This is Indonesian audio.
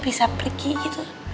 bisa pergi gitu